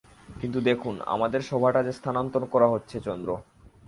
কিন্তু দেখুন, আমাদের সভাটা যে স্থানান্তর করা হচ্ছে– চন্দ্র।